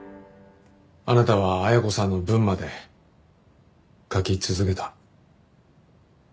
あなたは恵子さんの分まで書き続けた。